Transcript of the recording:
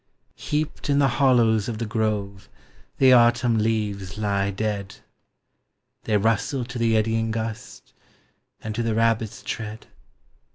Heaped in the hollows of the grove, the nnti leaves lie dead ; 256 POEMS OF NATURE. They rustle to the eddying gust, and to the rab bit's tread.